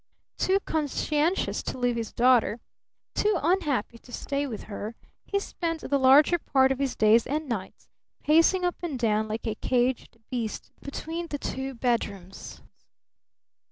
Too conscientious to leave his daughter, too unhappy to stay with her, he spent the larger part of his days and nights pacing up and down like a caged beast between the two bedrooms.